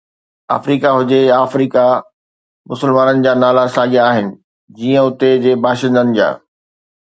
آفريقا هجي يا آفريقا، مسلمانن جا نالا ساڳيا آهن، جيئن اتي جي باشندن جا.